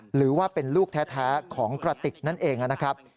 หรือว่าเป็นลูกแท้ของกระติกนั่นเองนะครับ